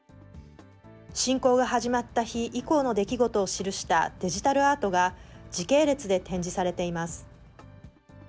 侵攻が始まった日以降の出来事を記したデジタルアートが、時系列で展示されています。